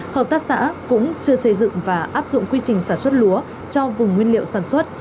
hợp tác xã cũng chưa xây dựng và áp dụng quy trình sản xuất lúa cho vùng nguyên liệu sản xuất